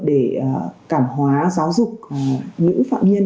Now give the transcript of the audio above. để cảm hóa giáo dục nữ phạm nhân